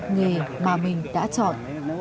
nghề mà mình đã chọn